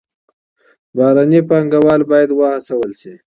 بهرني پانګوال بايد وهڅول سي.